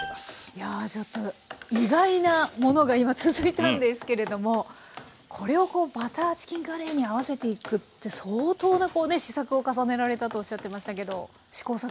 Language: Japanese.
いやちょっと意外なものが今続いたんですけれどもこれをバターチキンカレーに合わせていくって相当な試作を重ねられたとおっしゃってましたけど試行錯誤は？